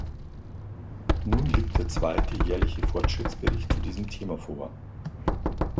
Nun liegt der zweite jährliche Fortschrittsbericht zu diesem Thema vor.